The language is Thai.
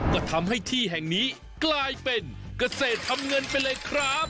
ก็ทำให้ที่แห่งนี้กลายเป็นเกษตรทำเงินไปเลยครับ